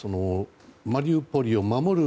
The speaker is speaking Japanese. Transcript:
マリウポリを守る